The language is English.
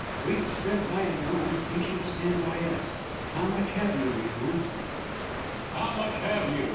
"We've stood by Leon, he should stand by us. How much have you, Leon?" "How much have you?"